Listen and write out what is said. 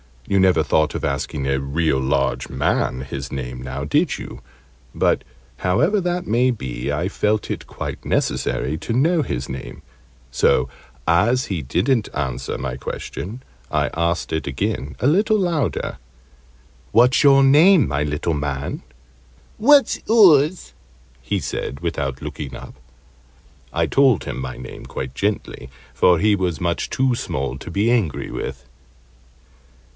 You never thought of asking a real large man his name, now, did you? But, however that may be, I felt it quite necessary to know his name; so, as he didn't answer my question, I asked it again a little louder. "What's your name, my little man?" "What's oors?" he said, without looking up. I told him my name quite gently, for he was much too small to be angry with.